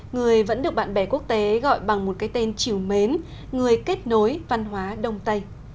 người vẫn được bạn bè quốc tế gọi bằng một cái tên chiều mến người kết nối văn hóa đông tây